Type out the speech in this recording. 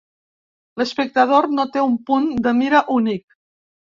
L'espectador no té un punt de mira únic.